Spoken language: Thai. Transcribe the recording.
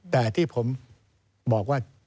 แต่ที่ผมบอกว่า